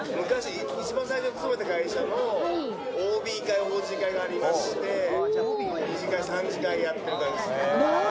一番最初に勤めた会社のＯＢ会ＯＧ会がありまして、二次会、三次会やってるんですね。